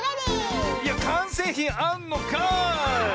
いやかんせいひんあんのかい！